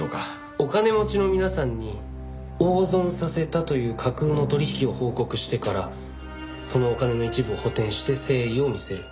お金持ちの皆さんに大損させたという架空の取引を報告してからそのお金の一部を補填して誠意を見せる。